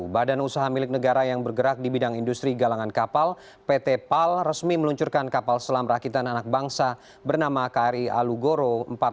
badan usaha milik negara yang bergerak di bidang industri galangan kapal pt pal resmi meluncurkan kapal selam rakitan anak bangsa bernama kri alugoro empat ratus dua